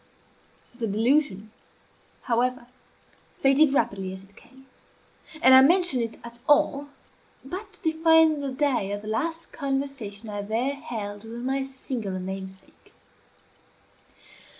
The delusion, however, faded rapidly as it came; and I mention it at all but to define the day of the last conversation I there held with my singular namesake.